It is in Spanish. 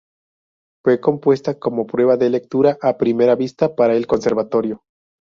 Fue compuesta como prueba de lectura a primera vista para el Conservatorio.